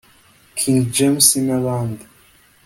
King James n'abandi